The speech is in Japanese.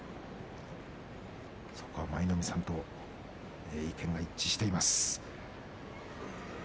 そこは舞の海さんと意見が一致しています。